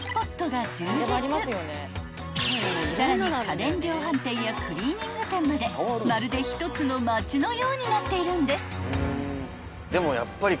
［さらに家電量販店やクリーニング店までまるで１つの町のようになっているんです］